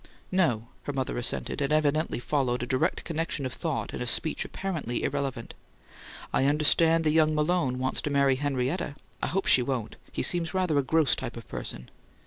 "No," her mother assented, and evidently followed a direct connection of thought in a speech apparently irrelevant. "I understand the young Malone wants to marry Henrietta. I hope she won't; he seems rather a gross type of person."